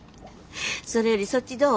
それよりそっちどう？